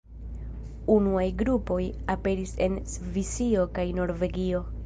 Unuaj grupoj aperis en Svisio kaj Norvegio.